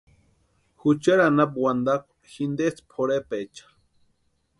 Juchari anapu wantakwa jintesti pʼorhepecha.